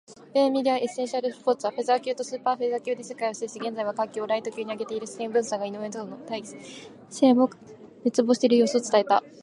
米メディア「エッセンシャリースポーツ」は、フェザー級とスーパーフェザー級で世界を制し、現在は階級をライト級に上げているスティーブンソンが井上との対戦を熱望している様子を伝えた。